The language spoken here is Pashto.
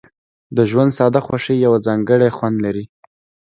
د ژوند ساده خوښۍ یو ځانګړی خوند لري.